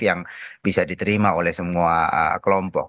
yang bisa diterima oleh semua kelompok